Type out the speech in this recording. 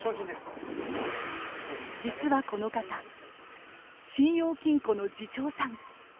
実はこの方信用金庫の次長さん。